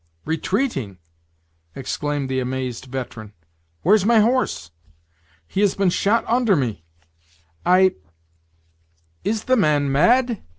"Retreating!" exclaimed the amazed veteran; "where's my horse? he has been shot under me I " "Is the man mad?"